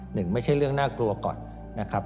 หนึ่งไม่ใช่เรื่องน่ากลัวก่อนนะครับ